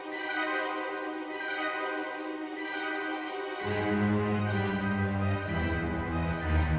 tidak ada yang bisa diberi maksud saya